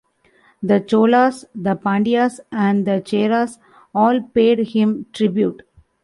The Cholas, the Pandyas and the Cheras all paid him tribute.